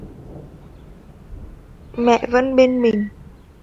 Mẹ vẫn bên mình